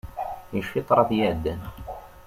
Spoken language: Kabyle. Yecfa-d i ṭṭrad iɛeddan.